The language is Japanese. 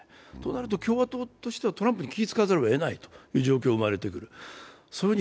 となると共和党としてはトランプに気を使わざるをえない状況が生まれてくる。